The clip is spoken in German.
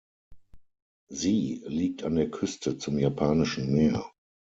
Sie liegt an der Küste zum Japanischen Meer.